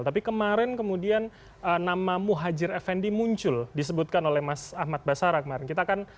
tapi kemarin kemudian nama muhajir effendi muncul disebutkan oleh mas ahmad basara kemarin